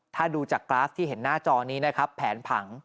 ถ้าดูจากกราฟที่เห็นหน้าจอนี้นะครับแผนผัง